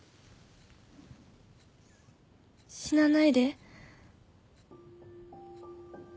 死なないで